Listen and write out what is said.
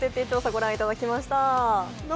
ご覧いただきました。